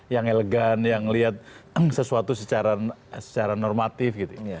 yang elegan yang melihat sesuatu secara normatif gitu